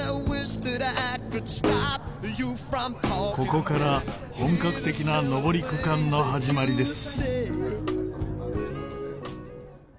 ここから本格的な上り区間の始まりです。